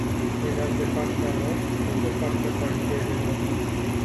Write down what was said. Eram de partea lor sau de partea bancherilor?